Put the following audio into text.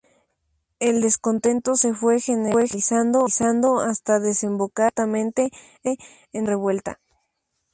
El descontento se fue generalizando hasta desembocar abiertamente en una revuelta.